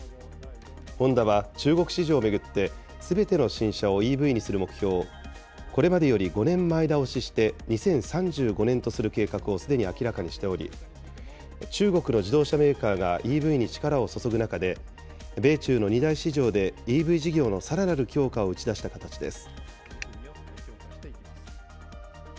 ホンダは中国市場を巡って、すべての新車をＥＶにする目標をこれまでより５年前倒しして２０３５年とする計画をすでに明らかにしており、中国の自動車メーカーがＥＶに力を注ぐ中で、米中の二大市場でＥＶ事業のさらなる強化を打ち出した形です。